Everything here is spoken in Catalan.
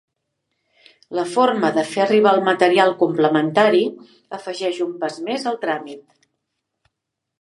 La forma de fer arribar el material complementari afegeix un pas més al tràmit.